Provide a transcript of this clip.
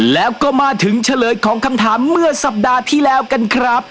แล้วก็มาถึงเฉลยของคำถามเมื่อสัปดาห์ที่แล้วกันครับ